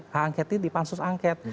h angket ini di pansus angket